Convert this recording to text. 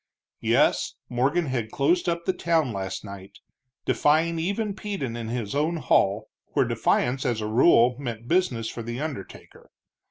Yes, Morgan had closed up the town last night, defying even Peden in his own hall, where defiance as a rule meant business for the undertaker.